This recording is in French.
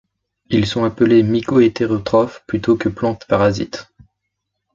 Ils sont appelés myco-hétérotrophes plutôt que plantes parasites.